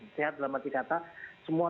sehat dalam arti kata semua